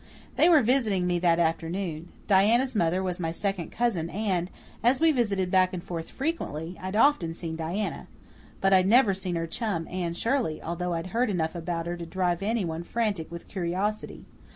They were visiting me that afternoon. Diana's mother was my second cousin, and, as we visited back and forth frequently, I'd often seen Diana. But I'd never seen her chum, Anne Shirley, although I'd heard enough about her to drive anyone frantic with curiosity.